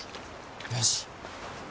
よし。